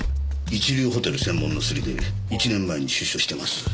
一流ホテル専門のスリで１年前に出所してます。